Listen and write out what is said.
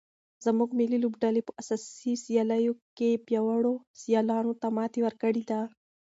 زموږ ملي لوبډلې په اسیايي سیالیو کې پیاوړو سیالانو ته ماتې ورکړې ده.